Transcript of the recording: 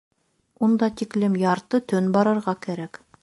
— Унда тиклем ярты төн барырға кәрәк.